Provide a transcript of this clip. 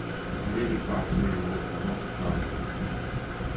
Lady Salisbury was a noted gardener.